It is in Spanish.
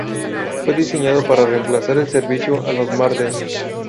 Fue diseñado para reemplazar en el servicio a los Marder.